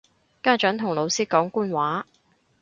家長同老師講官話